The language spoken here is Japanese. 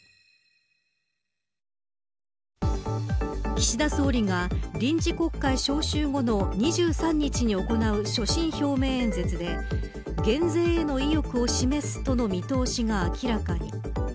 岸田総理が臨時国会招集後の２３日に行う所信表明演説で減税への意欲を示すとの見通しが明らかに。